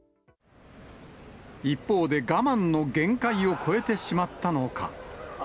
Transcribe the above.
一方で我慢の限界を超えてしまったのか。